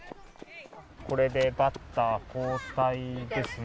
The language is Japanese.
これでバッター交代ですね。